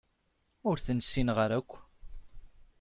Ur ten-ssineɣ ara akk.